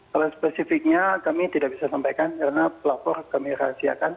kalau spesifiknya kami tidak bisa sampaikan karena pelapor kami rahasiakan